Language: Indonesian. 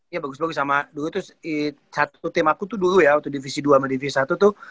iya bagus bagus sama dulu itu satu tim aku tuh dulu ya divisi dua sama divisi satu tuh